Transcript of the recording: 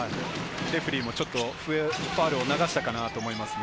レフェリーもファウルを流したかなと思いますね。